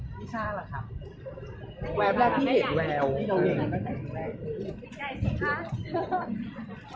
เวลาแรกพี่เห็นแวว